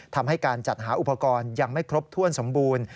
ทำให้การจัดหาอุปกรณ์ยังไม่ครบถ้วนสมบูรณ์